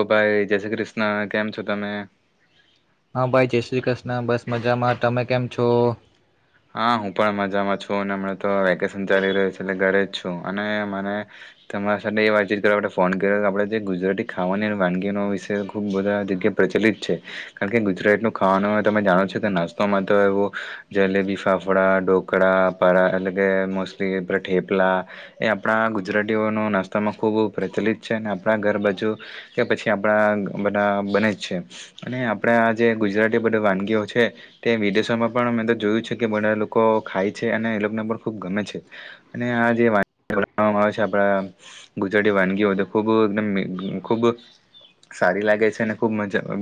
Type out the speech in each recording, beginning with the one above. ઓ ભાઈ જય શ્રી ક્રિષ્ન, કેમ છો તમે હા, ભાઈ જય શ્રી કૃષ્ણ. બસ મજામાં તમે કેમ છો? હા, હું પણ મજામાં છું અને હમણાં તો વેકેશન ચાલી રહ્યું છે એટલે ઘરે છું અને મને તમારા સાથે એ વાતચીત કરવા માટે ફોન કર્યો આપડે જે ગુજરાતી ખાવાની અને વાનગીનો વિશે ખૂબ બધા જગ્યા પ્રચલિત છે કારણ કે ગુજરાતીનું ખાવાનું તમે જાણો છો તો નાસ્તોમાં તો એવો જલેબી ફાફડા, ઢોકળા, પારા એટલે કે મોસ્ટલી ઠેપલા એ આપડા ગુજરાતીઓનું નાસ્તામાં ખૂબ પ્રચલિત છે અને આપડા ઘર બાજુ કે પછી આપડા બધા બને જ છે અને આપડા જે ગુજરાતી બધી વાનગીઓ છે તે વિદેશોમાં પણ મેં તો જોયું છ તેકે બધા લોકો ખાય છે અને એ લોકોને પણ ખૂબ ગમે છે અને આ જે વાનગી બનાવામાં છે આપણા ગુજરાતી વાનગીઓ ત ખૂબ ખૂબ સારી લાગે છે અને ખૂબ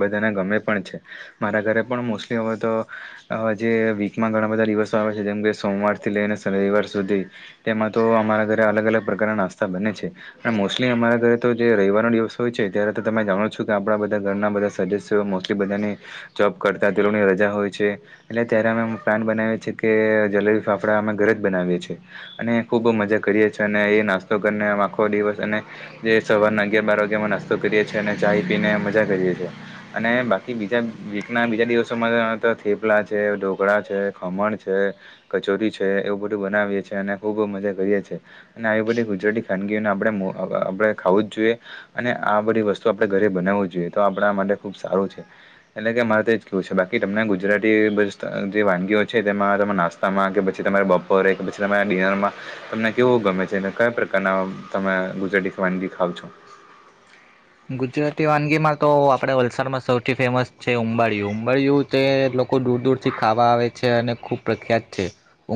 બધાને ગમે પણ છે મારા ઘરે પણ મોસ્ટલી હવે તો અહ જે વી માં ઘણા બધા દિવસો આવે છે જેમ કે સોમવારથી લઈને શનિવાર સુધી તેમાં તો અમારા ઘરે અલગ અલગ પ્રકારના નાસ્તા બને છે અને મોસ્ટલી અમારા ઘરે તો જે રવિવારનો દિવસ હોય છે ત્યારે તો તમે જાણો છો કે આપદાંતબધા ઘરના બધા સદસ્યો મોસ્ટલી બધાની જોબ કરતા તે લોકોની રજા હોય છે એટલે ત્યારે અમે પ્લાન બનાવીએ છીએ કે જલેબી ફાફડા અમે ઘરે જ બનાવીએ છીએ અને ખૂબ મજા કરીએ છીએ અને એ નાસ્તો કરીને આ આખો દિવસ અને જે સવારના અગિયાર બાર વાગ્યા અમે નાસ્તો કરીએ છીએ અને ચાાય પીને મજા કરીએ છીએ અને બાકી બીજા વીકના બીજા દિવસોમાં તો થેપલા છે ઢોકળા છે, ખમણ છે, કચોરી છે, એવું બધું બનાવીએ છે ને ખૂબ મજા કરીએ છે અને આવી બધી ગુજરાતી ખાનગીઓને આપડે આપડે ખાવું જ જોઈએ અને આ બધી વસ્તુ આપડે ઘરે બનાવું જ જોઈએ તો આપડા માટે ખૂબ સારું છે એટલે કે મારે તો એજ કેવું છે બાકી તમને ગુજરાતી બસ્તા જે વાનગીઓ છે તેમાં તમે નાસ્તામાં કે પછી તમે બપોરે કે પછી તમે ડિનરમાં તમને કેવું ગમે છે અને કયા પ્રકારના તમે ગુજરાતી વાનગી ખાવ છો? ગુજરાતી વાનગીમાં તો આપડે વલસાડમાં સૌથી ફેમસ છે ઉંબાળિયું. ઉંબાળિયું તે લોકો દૂર દૂરથી ખાવા આવે છે અને ખૂબ પ્રખ્યાત છે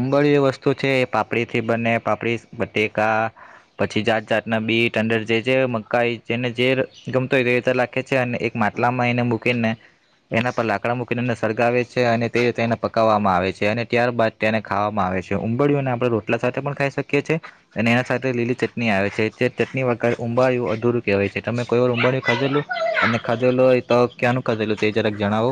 ઉંબાળિયું વસ્તુ છે પાપડી થી બને પાપડી બટેકા પછી જાત જાતના બીટ અંદર જે જે મકાઈ જેને જે ગમતું એ રીતે લાખે છે અને એક માટલામાં એને મૂકીને એના પર લાકડા મૂકીને એને સળગાવે છે અને તે રીતે એને પકાવવામાં આવે છે અને ત્યાર બાદ તેને ખાવામાં આવે છે ઉંબાળિયુને આપડે રોટલા સાથે પણ ખાઈ શકીએ છે અને એની સાથે લીલી ચટણી આવે છે જે ચટણી વગર ઉંબાળિયુ અધુરું કહેવાય. જે તમે કોઈ વાર ઉંબળયું ખાધેલું અને ખાધેલું હોય તો ક્યાંનું ખાધેલું તે જરાક જણાવો?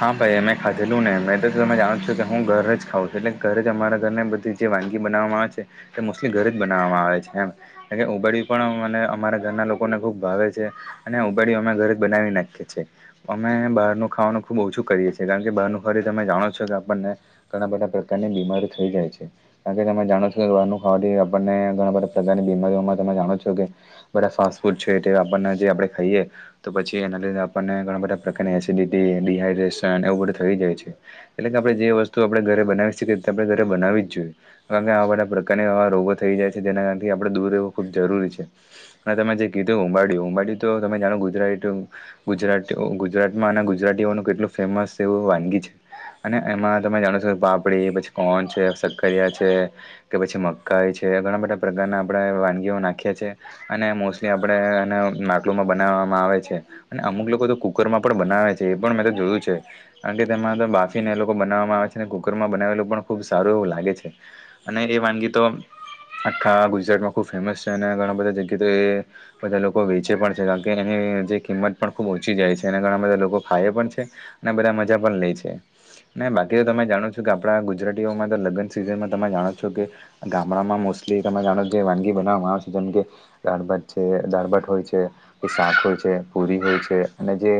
હા ભાઈ મેં ખાધેલું ને મેં તો તમે જાણું છો કે હું ઘર જ ખાઉં એટલે ઘરે જ અમારા ઘરને બધી જે વાનગી બનાવવામાં આવે છે તે મોસ્ટલી ઘરે જ બનાવવામાં આવે છે એમ કારણ કે ઉંબાડ્યું પણ મને અમારા ઘરના લોકોને ખૂબ ભાવે છે અને ઉંબાડ્યું અમે ઘરે જ બનાવી નાખીએ છીએ અમે બહારનું ખાવાનું ખૂબ ઓછું કરીએ છીએ કારણ કે બહારનું ખાવાથી તમે જાણો છો કે આપણને ઘણા બધા પ્રકારની બીમારીઓ થઈ જાય છે કારણ કે તમે જાણો છો કે બહારનું ખાવાથી આપણને ઘણા બધા પ્રકારની બીમારીઓમાં તમે જાણો છો કે બધા ફાસ્ટ ફૂડ છે તે આપણને જે આપડે ખાઈએ તો પછી એના લીધે આપણને ઘણા બધા પ્રકારની એસિડિટી ડી હાઈડ્રેશન એવું બધું થઈ જાય છે એટલે કે આપડે જે વસ્તુ આપડે ઘરે બનાવી શકીએ તે આપડે ઘરે બનાવી જ જોઈએ કારણ કે આવા બધા પ્રકારના આવા રોગો થઈ જાય છે જેના કાર કે આપણે દૂર રહેવું ખૂબ જરૂરી છે અને તમે જે કીધું ઉંબાડીયુ ઉંબાડીયુ તો તમે જાણો ગુજરા ઈ ટુ ગુજરાટી ગુજરાતમાં ગુજરાતીઓનું કેટલું ફેમસ એવું વાનગી છે અને એમાં તમે જાણો છો પાપડી પછી કોન છે શક્કરિયા છે કે પછી મકાઈ છે ઘણા બધા પ્રકારના આપડે વાનગીઓ નાખીએ છીએ અને મોસ્ટલી આપણે એને માટલુંમાં બનાવવામાં આવે છે અને અમુક લોકો તો કુકરમાં પણ બનાવે છ છે પણ મેં તો જોયું છે કારણ કે તેમાં તો બાફીને એ લોકો બનાવવામાં આવે છે અને કુકરમાં બનાવેલું પણ ખૂબ સારું એવું લાગે છે અને એ વાનગી તો આખા ગુજરાતમાં ખૂબ ફેમસ છે અને ઘણા બધા જગ્યાએ તો એ બધા લોકો વેચે પણ છે કારણ કે એની જે કિંમત પણ ખૂબ ઓછી જાય છે અને ઘણા બધા લોકો ખાય પણ છે અને બધા મજા પણ લે છે ને બાકી તો તમે જાણો છો કે આપડા ગુજરાતીઓમાં તો લગ્ન સિઝનમાં તમે જાણો છો કે ગામડામાં મોસ્ટલી તમે જાણો છો જે વાનગી બનાવવામાં છે જેમકે દાળભટ છે દાળભટ હોય છે કે શાક હોય છે પૂરી હોય છે અને જે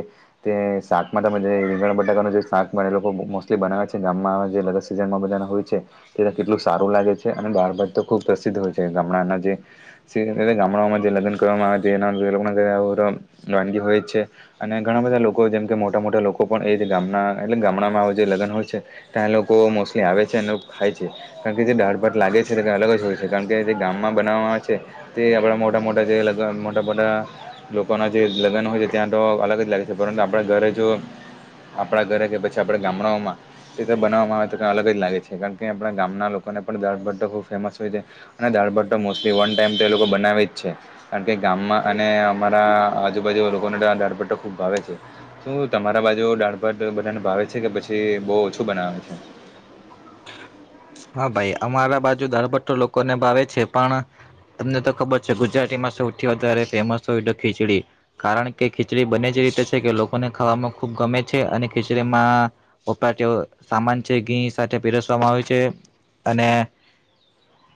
તે શાકમાં રીંગણ બટાકાનું જે શાકમાં એ લોકો મોસ્ટલી બનાવે છે ગામમાં જે લગન સીઝનમાં બધાને હોય છે તે કેટલું સારું લાગે છે અને દાળભાત તો ખૂબ પ્રસિદ્ધ હોય છે ગામડાના જે સીઝન ગામડાઓમાં જે લગ્ન કરવામાં આવે છે જેના એના લોકો ગયા ઓ રમ વાનગી હોય જ છે અને ઘણા બધા લોક લોકો જેમ કે મોટા મોટા લોકો પણ એ જે ગામના એટલે ગામડામાં જે લગન હોય છે ત્યાં લોકો મોસ્ટલી આવે છે અને ખાય છે કારણ કે જે દાળભત લાગે છે તે અલગ જ હોય છે કારણ કે જે ગામમાં બનાવવામાં આવે છે તે આપડા મોટા મોટા જે લગન મોટા મોટા લોકોના જે લગ્ન હોય છે ત્યાં તો અલગ જ લાગે છે. પરંતુ આપણા ઘરે જો આપણા ઘરે કે પછી આપણા ગામડાઓમાં એ રીતે બનાવવામાં આવે તો કંઈ અલગ જ લાગે છે કારણ કે આપણા ગામના લોકોને પણ દાળભાત ખૂબ ફેમસ હોય છે અને દાળભાત મોસ્ટલી વન ટાઈમ તો એ લોકો બનાવે જ છે કારણ કે ગામમાં અને અમારા આજુબાજુ લોકોને તો આ દાળભાત ખૂબ ભાવે. શું તમારા બાજુ દાળભાત બધાને ભાવે છે કે પછી બોવ ઓછું બનાવે છે હા ભાઈ અમારા બા જો દાળભાત તો લોકોને ભાવે છે પણ તમને તો ખબર છે ગુજરાતીમાં સૌથી વધારે ફેમસ હોય તો ખીચડી કારણ કે ખીચડી બને જ રીતે છે કે લોકોને ખાવામાં ખૂબ ગમે છે અને ખીચડીમાં વપરાતો સામાન છે ઘી સાથે પીરસવામાં આવે છે અને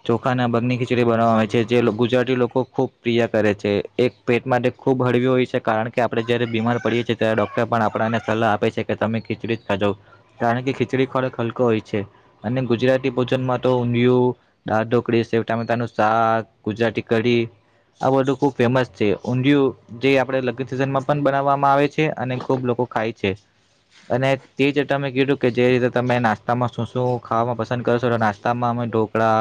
ચોખાના મગની ખીચડી બનાવામાં આવે છે જે ગુજરાતી લોકો ખૂબ પ્રિય કરે છે એક પેટ માટે ખૂબ હળવી હોય છે કારણ કે આપડણે જયારે બીમાર પડીએ છીએ ત્યારે ડોક્ટર પણ આપણાને સલાહ આપે છે કે તમે ખીચડી જ ખાજો કારણ કે ખીચડી ખોરાક હલકો હોય છે અને ગુજરાતી ભોજનમાં તો ઊંધયું દાળ ઢોકળી સેવ ટામેટા નું શાક ગુજરાતી કઢી આ બધું ખુબ ફેમસ છે ઊંધિયું જે આપડે લગન સિઝનમાં પણ બનાવવામાં આવે છે અને ખુબ લોકો ખાય છે અને તે જમે કીધું કે જે રીતે તમે નાસ્તામાં શું શું ખાવામાં કરો છો નાસ્તામાં અમે ઢોકળા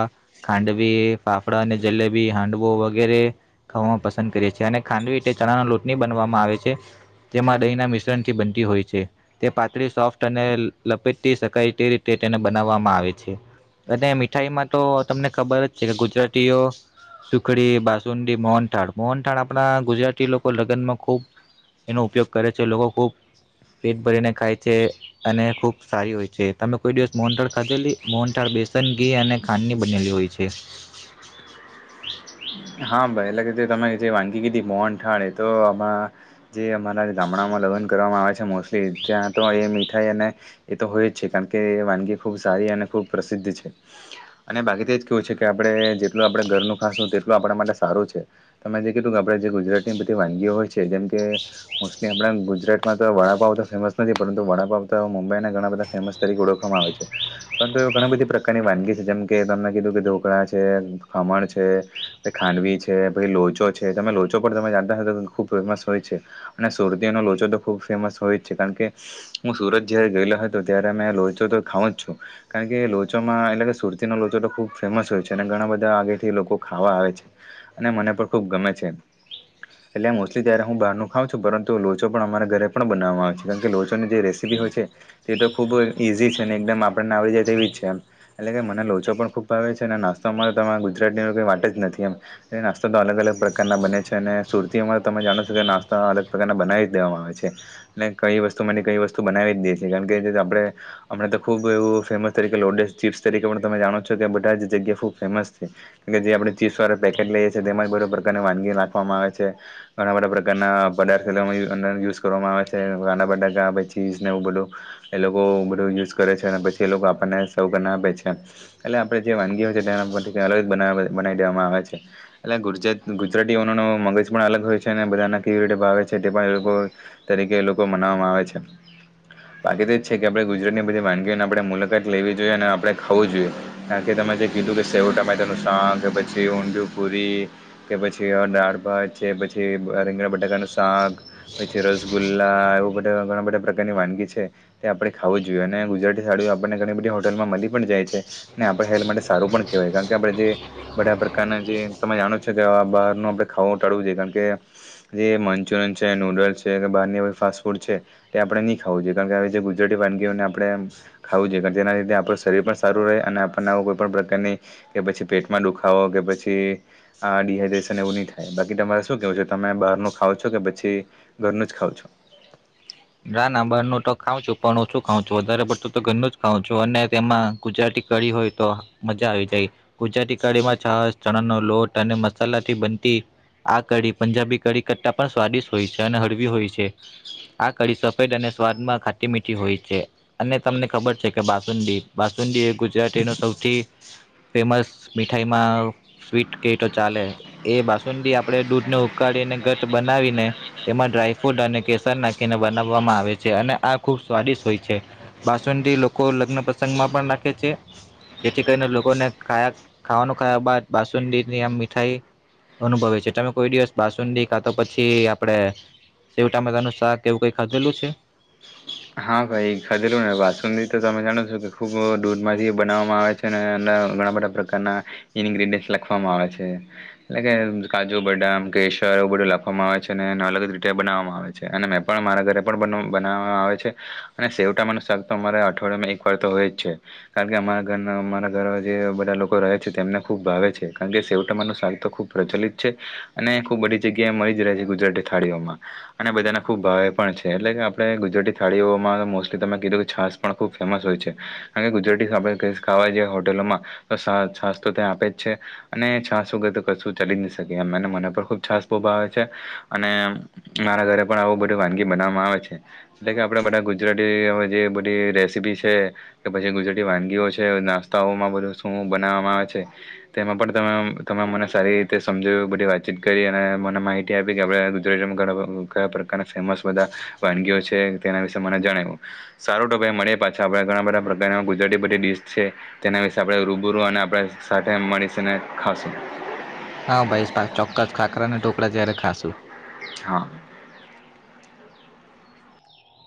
ખાંડવી ફાફડા અને જલેબી હાંડવો વગેરે ખાવામાં પસંદ કરીએ છીએ અને ખાંડવી તે ચણાના લોટની બનવામાં આવે છે જેમાં દહીંના મિશ્રણ થી બનતી હોય છે તે પાતળી સોફ્ટ અને લપેટથી શકાય તે રીતે તેને બનાવવામાં આવે અને મીઠાઈમાં તો તમને ખબર જ છે કે ગુજરાતીઓ સુખડી બાસુંદી મોહનથાળ મોહનથાળ આપણા ગુજરાતી લોકો લગ્નમાં ખૂબ એનો ઉપયોગ કરે છે લોકો ખૂબ પેટ ભરીને ખાય છે અને ખૂબ સારી હોય છે તમે કોઈ દિવસ મોહનથાળ ખાધેલી મોહનથાળ બેસન ઘી અને ખાંડની બનેલી હોય છે હા ભાઈ એટલે કે તમે જે વાનગી કીધી મોહનથાળ એતો આમાં જે અમારા ગામડામાં લગ્ન કરવામાં આવે છે ત્યાં તો એ મીઠાઈ અને એ તો હોય જ છે કારણ કે વાનગી ખૂબ સારી અને ખૂબ પ્રસિદ્ધ છે અને બાકી તેજ કેવું છે કે આપડણે જેટલું આપડે ઘરનું ખાસુ તેટલું એટલું આપણા માટે સારું છે તમે જે કીધું કે આપણે જે ગુજરાતની બધી વાનગીઓ હોય છે જેમ કે મોસ્ટલી આપણા ગુજરાતમાં તો વડાપાવ તો ફેમસ નથી પરંતુ વડાપાવ તો મુંબઈના ઘણા બધા ફેમસ તરીકે ઓળખવામાં આવે છે પરંતુ એ ઘણી બધી પ્રકારની વાનગી છે જેમકે તમને કીધું કે ઢોકળા છે ખમણ છે ખાંડવી છે ભાઈ લોચો છે તમે લોચો પણ તમે જાણતા હતા તો ખૂબ ફેમસ હોય છે અને સુરતીનો લોચો તો ખૂબ ફેમસ હોય જ છે કારણ કે હું સુરત જ્યારે ગયેલો હતો ત્યારે અં લોચો તો ખાવઉં જ છું કારણ કે લોચોમાં એટલે કે સુરતીનો લોચો તો ખૂબ ફેમસ હોય છે અને ઘણા બધા આગેથી લોકો ખાવા આવે છે અને મને પણ ખૂબ ગમે છે એટલે મોસ્ટલી ત્યારે હું બહારનું ખાઉં છું પરંતુ લોચો પણ અમારા ઘરે પણ બનાવવામાં આવે છે કારણ કે લોચોની જે રેસીપી હોય છે તે તો ખૂબ ઇઝી છે અને એકદમ આપણને આવી જાય તેવી જ છે એમ એટલે કે મને લોચો પણ ખૂબ ભાવે છે અને નાસ્તોમાં તો તમારા ગુજરાતની કંઈ વાટ જ નથી એમ નાસ્તા તો અલગ અલગ પ્રકારના બને છે અને સુરતી અમાં તમે જાણો છો કે નાસ્તા અલગ પ્રકારના બનાવી જ દેવામાં આવે છે અને કઈ વસ્તુ માટે કઈ વસ્તુ બનાવી જ દઈએ છ છે કારણ કે આપણેમણા તો ખુબ એવું ફેમસ તરીકે લોડસ ચીપ્સ તરીકે પણ તમે જાણો છો કે બધા જગ્યા ખૂબ ફેમસ છે જે આપણે ચીપ્સ વાળ કેટલા લઈએ છી છે તેમાં બધ પ્રકારની વાનગી નાખવામાં આવે છે ઘણા બધા પ્રકારના પદાર્થ યુઝ કરવામાં આવે છે કાના બટાકા પછી ચીઝને એવું બધું એ લોકો બધું યુઝ કરે છે અને પછી એ લોકો આપણને સવ કરીને આપે છે એટલે આપણે જે વાનગી હોય છે તેના પરથી ક અલગ જ બના બનાવી દેવામાં આવે છે એ ગુજરાતીઓનો ન મગજ પણ અલગ હોય છે અને બધાને કેવી રીતે ભાવે છે તે પણ એ તરીકે એ લોકો મનાવામાં આવે છે બાકી તો જ છે કે આપણે ગુજરાતીની બધી વાનગીઓની આપણે મુલાકાત લેવી જોઈએ અને આપણેે ખાવું જોઈએ કાર કેમે જે કીધું કેેવ શા કે પછી ઊ પૂરી કે પછી દાળ ભાત છે પછી રીંગણા બટાકાનું શાક પછી રસગુલ્લા એવું બધા ઘણા બધા પ્રકારની વાનગી છે તે આપણે ખાવું જ જોઈએ અને ગુજરાતી થાળીઓ આપણને ઘણી બધી હોટલમાં મળી પણ જાય છે અને આપણે હેલ્થ માટે સારું પણ કહેવાય કારણ કે આપણે જે બધા પ્રકારના જે તમે જાણો છો કે બહારનું આપણે ખાવું ટાળવું જોઈએ કારણ કે જે મંચુરિયન છે નૂડલ્સ છે કે બહારની ફાસ્ટ ફૂડ છે તે આપણે નહીં ખાવું જોઈએ કારણ કે આવી જે ગુજરાતી વાનગીઓને આપણે ખાવું જોઈએ કારણ જેના લીધે આપણું શરીર પણ સારું રહે અને આપણને આવ કોઈપણ પ્રકારની કે પછી પેટમાં દુખાવો કે પછી કે આ ડીહાઈડ્રેશન એવું નહી થાય બાકી તમારે શું કેવું છે તમે બહાર ન ખાવ છો કે પછી ઘરનું જ ખાવ છો નાબ તો ખાં છું પણ હું શું ખાઉં છું વધારે પડતું તો ઘરનું જ ખાઉં છું અને તેમાં ગુજરાતી કઢી હોય તો મજા આવી જાય ગુજરાતી કઢીમાં ચ ચણાનો લોટ અને મસાલા થી બનતી આ કઢી પંજાબી કઢી કરતા પણ સ્વાદિષ્ટ હોય છે અને હળવી હોય છે કડી સફેદ અને સ્વાદમાં ખાટી મીઠી હોય છે અને તમને ખબર છે કે બાસુંદી બાસુંદી એક ગુજરાતીનો સૌથી- ફેમસ મીઠાઈમાં સ્વીટ કેટ ચાલે, એ બાસુંડી આપડે દૂધને ઉકાળીને ગટ બનાવીને, તેમાં ડ્રાયફ્રૂટ અને કેસર નાખી ને બનાવવામાં આવે છે અને આ ખૂબ સ્વાદિષ્ટ હોય છે બાસુંડી લોકો લગ્ન પ્રસંગમાં પણ રાખે છે જેથી કરીને લોકોને ખાયા ખાવાનું ખાયા બાદ બાસુંડીની આમ મીઠાઈ અનુભવે છે તમે કોઈ દિવસ બાસુંડી ખા તો પછી આપણે શેવ ટામેકાાનું શાક કેવું કઈ ખાધેલું છે? હા ભાઈ ખાધેલુંને વાસુ તો તમે જાણો છો કે ખૂબ દૂધમાંથી બનાવવામાં આવે છે, અને એ ઘણા બધા પ્રકારના ઇન્ગ્રીડિયન્ટ લખવામાં આવે છે, એટલે કે કાજુ બદામ કેસર એવું બધું લખવામાં આવે છે અને એને અલગ રીતે બનાવવામાં આવે છે અને મેં પણ મારા ઘરે પણ બનાવવામાં આવે છે. અને સેવામાંનું શાક તો અમારા અઠવાડિયામાં એક વાર તો હોય જ છે કારણ કે અમારા ઘર અમારા ઘર જે બધા લોકો રહે છે તેમને ખુબ ભાવે છે કારણ કે સેવટામાં ન શાક તો ખૂબ પ્રચલિત છે, અને ખુબ બધી જગ્યાએ મળી જ રહે છે, ગુજરાતી થાળીઓમાં અને બધાને ખુબ ભાવે પણ છે, એટલે કે આપણે ગુજરાતી થાળીઓમાં તો મોસ્ટલી તમે કીધું કે છાસ પણ ખૂબ ફેમસ હોય છે કારણ કે ગુજરાતી આપણે ખાવા જઈએ હોટલોમાં તો છાસ તો ત્યાં આપે જ છે, અને છાસ વગર તો કશું ચાલી જ ન શકે એમને મને પણ ખૂબ છાસ ઉભ આવે છે, અને મારા ઘરે પણ આવું બધું વાનગી બનાવવામાં આવે છે. એટલે કે આપણે બધા ગુજરાતી હવે જે બધી રેસીપી છે કે પછી ગુજરાતી વાનગીઓ છે, નાસ્તાઓમાં બધું શું બનાવવામાં આવે છે તેમાં પણ તમે તમે મને સારી રીતે સમજાવ્યું બધી વાતચીત કરી અને મને માહિતી આપી કે આપણે ગુજરાતીમાં ઘણા કયા પ્રકારના ફેમસ બધા, વાનગીઓ છે. તેના વિશે મને જણાવ્યું સારો ટોપ મળએ પાછા આપ ઘણા બધા પ્રકાર ગુજરાતી બધીડીશ છે તેના વિશે આપણે રૂબરૂ, અને આપણે સાથે મળીશ ખાશું. હા ભાઈ ચોક્કસ ખાકરા અને ઢોકળા જ્યારે ખાશું. હા